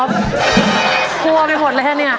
กลัวไปหมดเลยค่ะเนี่ย